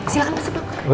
silahkan masuk dok